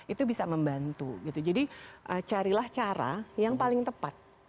itu bisa membantu gitu jadi carilah cara yang paling tepat